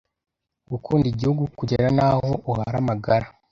Gukunda Igihugu kugera n’aho uhara amagara